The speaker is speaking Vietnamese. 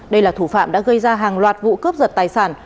đây là thủ phạm đã gây ra hàng loạt vụ cướp giật tài sản